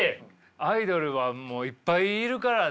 アイドルはもういっぱいいるからね。